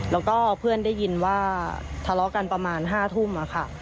แล้วก็เพื่อนได้ยินว่าทะเลาะกันประมาณ๕ทุ่มค่ะ